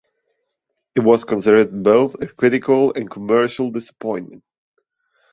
It was considered both a critical and commercial disappointment.